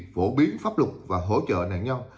vỗ biến pháp lục và hỗ trợ nạn nhau